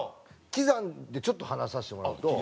喜山でちょっと話させてもらうと。